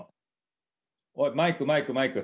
おいマイクマイクマイク！